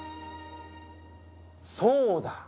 そうだ！